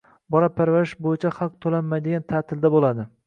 bola parvarishlash bo‘yicha haq to‘lanmaydigan ta’lilda bo‘ladi